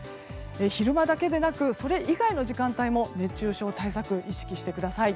昼間だけでなくそれ以外の時間帯も熱中症対策、意識してください。